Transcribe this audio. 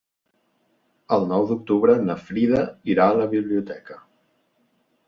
El nou d'octubre na Frida irà a la biblioteca.